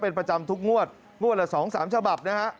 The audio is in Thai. เป็นประจำทุกงวดงวดละ๒๓ฉบับนะฮะ